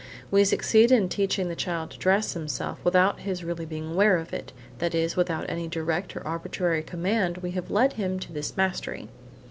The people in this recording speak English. We succeed in teaching the child to dress himself without his really being aware of it, that is, without any direct or arbitrary command we have led him to this mastery.